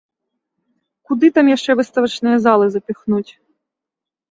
Куды там яшчэ выставачныя залы запіхнуць?